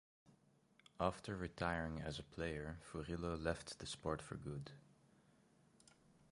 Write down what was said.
After retiring as a player, Furillo left the sport for good.